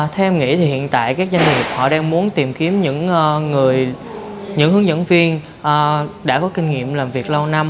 theo em nghĩ thì hiện tại các doanh nghiệp họ đang muốn tìm kiếm những hướng dẫn viên đã có kinh nghiệm làm việc lâu năm